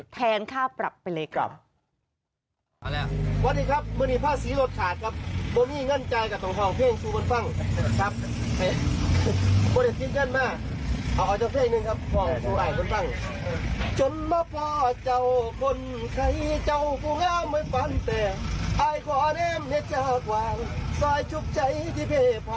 ค่าปรับไปเลยครับ